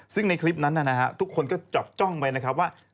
ซึ่งในคลิปนั้นทุกคนก็จับจ้องไปนะครับว่า